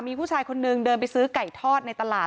มีผู้ชายคนนึงเดินไปซื้อไก่ทอดในตลาด